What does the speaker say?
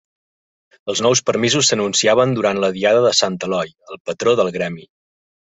Els nous permisos s'anunciaven durant la diada de Sant Eloi, el patró del gremi.